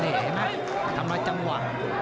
เห็นไหมทำลายจังหวะ